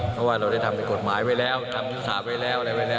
เพราะว่าเราได้ทำเป็นกฎหมายไว้แล้วทำพิษาไว้แล้วอะไรไว้แล้ว